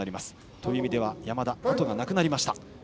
という意味では山田、あとがなくなりました。